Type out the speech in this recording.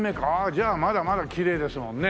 じゃあまだまだきれいですもんね。